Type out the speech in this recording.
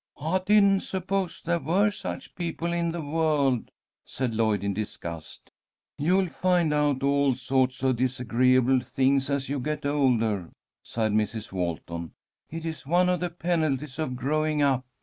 "I didn't suppose there were such people in the world," said Lloyd, in disgust. "You'll find out all sorts of disagreeable things as you get older," sighed Mrs. Walton. "It is one of the penalties of growing up.